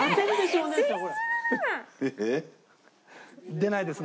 出ないですね。